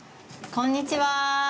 こんにちは。